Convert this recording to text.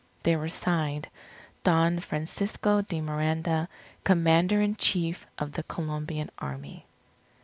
They were signed, "Don Francisco de Miranda, Commander in Chief of the Colombian Army."